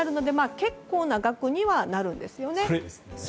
結構な額にはなりますよね。